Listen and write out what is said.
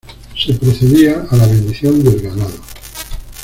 Se procedía a la bendición del ganado.